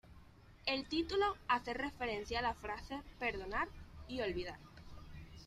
El título hace referencia a la frase "perdonar y olvidar".